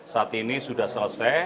saat ini sudah selesai